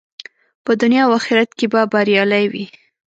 په دنیا او آخرت کې به بریالی وي.